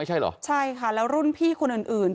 ใช่ค่ะแล้วรุ่นพี่คุณอื่น